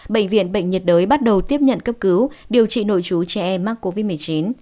bệnh viện bệnh nhiệt đới bắt đầu tiếp nhận cấp cứu điều trị nội chú trẻ em mắc covid một mươi chín